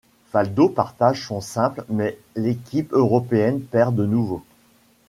Faldo partage son simple mais l'équipe européenne perd de nouveau.